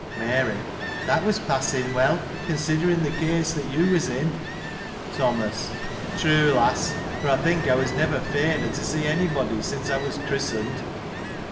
Mary That was passing well ; considering the case, that, you was in. Thomas. — True, lass, for I think I was never fainer to see any body, since I was christened.